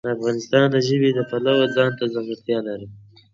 افغانستان د ژبې د پلوه ځانته ځانګړتیا لري.